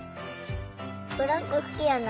ブランコ好きやな。